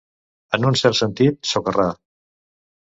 En un cert sentit, socarrar.